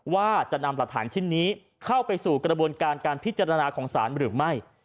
ว่าจะนำหลักฐานชิ้นนี้เข้าไปสู่กระบวนการการพิจารณาของศาลหรือไม่